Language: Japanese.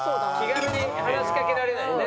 気軽に話しかけられないね。